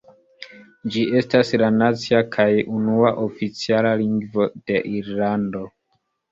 Ĝi estas la nacia kaj unua oficiala lingvo de Irlando.